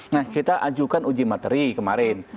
nah kita ajukan uji materi kemarin